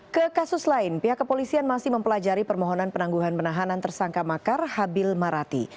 ke kasus lain pihak kepolisian masih mempelajari permohonan penangguhan penahanan tersangka makar habil marati